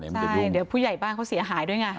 เดี๋ยวผู้ใหญ่บ้านเขาเสียหายด้วยไง